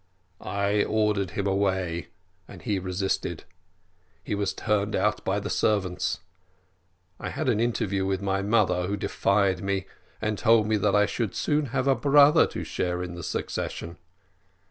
I ordered him away, and he resisted. He was turned out by the servants. I had an interview with my mother, who defied me, and told me that I should soon have a brother to share in the succession.